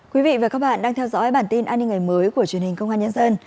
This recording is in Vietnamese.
quý vị và các bạn đang theo dõi bản tin an ninh ngày mới của truyền hình công an nhân dân